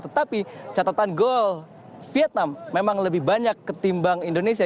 tetapi catatan gol vietnam memang lebih banyak ketimbang indonesia